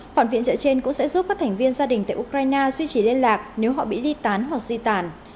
khoản viện trợ trên cũng sẽ giúp các thành viên gia đình tại ukraine duy trì liên lạc nếu họ bị ly tán hoặc di tản